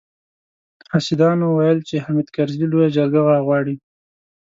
حاسدانو ويل چې حامد کرزي لويه جرګه راغواړي.